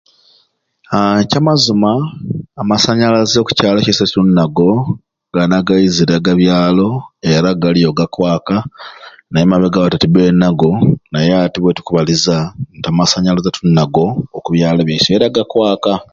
Haa ekyamazima amasanyalaze oku kyalo kyaiswe tulunago gani agaizire aga byalo era galiyo gakwaka naye emabega awo tetubeirebe nago naye ati wetukubaliza nti amasanyalaze tulinago oku byalo byeswe era gakwaka